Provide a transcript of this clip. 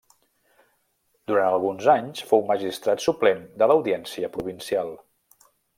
Durant alguns anys fou magistrat suplent de l'audiència provincial.